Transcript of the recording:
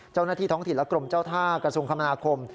เจ้าหน้าที่ท้องถิ่นและกรมเจ้าท่ากระทรวงคมนาคม